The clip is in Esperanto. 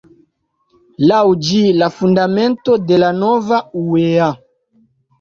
Laŭ ĝi, la fundamento de la nova uea.